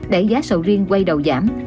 để giá sầu riêng quay đầu giảm